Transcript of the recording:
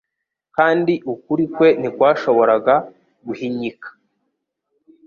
kandi ukuri kwe ntikwashoboraga guhinyika.